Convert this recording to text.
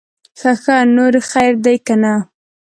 ښه ښه, نور خير دے که نه؟